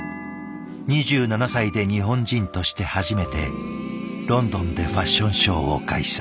２７歳で日本人として初めてロンドンでファッションショーを開催。